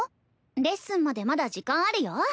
レッスンまでまだ時間あるよ。